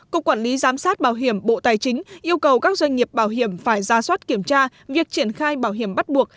cục quản lý giám sát bảo hiểm bộ tài chính yêu cầu các doanh nghiệp bảo hiểm phải ra soát kiểm tra việc triển khai bảo hiểm bắt buộc